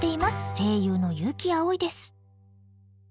声優の悠木碧です。